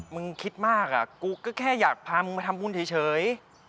มึงคิดมากกูก็แค่อยากพามึงมาทำบุญเฉย